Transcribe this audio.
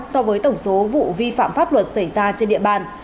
so với tổng số vụ vi phạm pháp luật xảy ra trên địa bàn